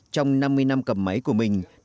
trong năm mươi năm cầm máy của mình